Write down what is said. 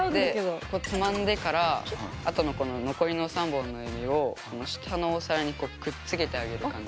つまんでからあとのこの残りの３本の指を下のお皿にくっつけてあげる感じ。